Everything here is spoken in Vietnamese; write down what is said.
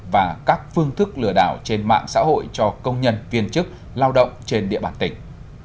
và các phương thức lừa đảo trên mạng xã hội cho công nhân viên chức lao động trên địa bàn tỉnh